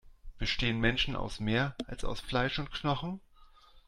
Bestehen Menschen aus mehr, als aus Fleisch und Knochen?